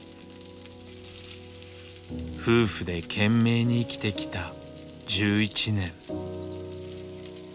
夫婦で懸命に生きてきた１１年。